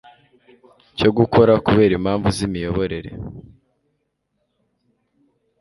cyo gukora kubera impamvu z imiyoborere